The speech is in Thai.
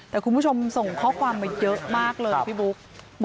แต่คุณผู้ชมส่งข้อความมาเยอะมากเลยพี่บุ๊ค